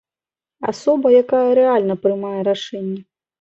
Асоба, якая рэальна прымае рашэнні.